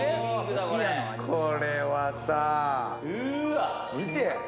これはさ、見て！